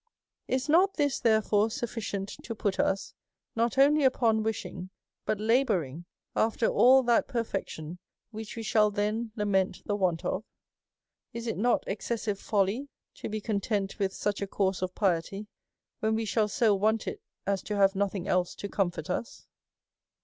Is not this therefore sufficient to put us, not only upon wishing, but labouring after all that perfection which we shall then lament the want of? Is it not ex cessive folly to be content with such a course of piety, when we shall so want it as to have nothing else to comfort us